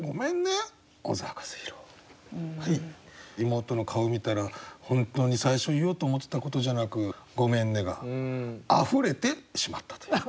妹の顔を見たら本当に最初言おうと思ってたことじゃなく「ごめんね」が溢れてしまったという。